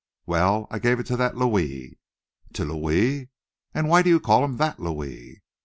"Well, I gave it to that Louis." "To Louis? and why do you call him that Louis?"